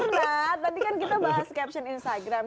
karena tadi kan kita bahas caption instagram